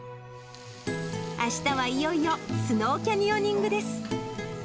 あしたはいよいよスノーキャニオニングです。